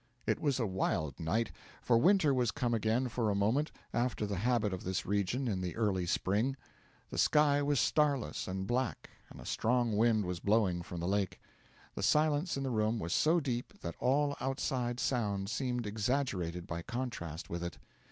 It was a wild night, for winter was come again for a moment, after the habit of this region in the early spring. The sky was starless and black, and a strong wind was blowing from the lake. The silence in the room was so deep that all outside sounds seemed exaggerated by contrast with it.